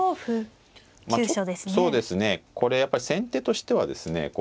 これやっぱり先手としてはですね